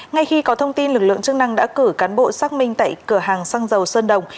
ngay khi có thông tin lực lượng chức năng đã cử cán bộ xác minh tại cửa hàng xăng dầu sơn đồng